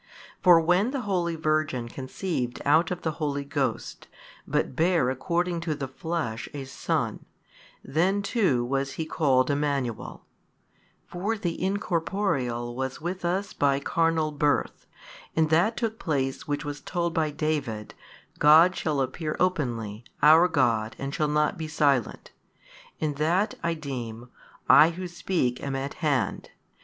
For when the holy Virgin conceived out of the Holy Ghost, but bare according to the flesh a Son, then too was He called Emmanuel; for the Incorporeal was with us by carnal birth, and that took place which was told by David, God shall appear openly, our God and shall not be silent, and that (I deem), I Who speak am at hand.